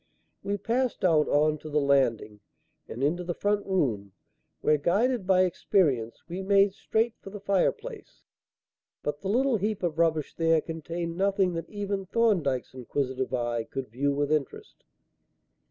We passed out on to the landing and into the front room, where, guided by experience, we made straight for the fire place. But the little heap of rubbish there contained nothing that even Thorndyke's inquisitive eye could view with interest.